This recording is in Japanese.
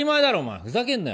ふざけんなよ。